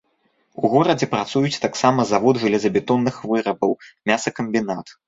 У горадзе працуюць таксама завод жалезабетонных вырабаў, мясакамбінат.